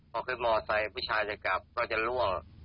พอคือมอเตอร์ไซค์ผู้ชายจะกลับก็จะร่วง